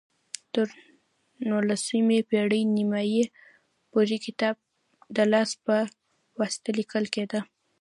تر نولسمې پېړۍ نیمايي پورې کتاب د لاس په واسطه لیکل کېده.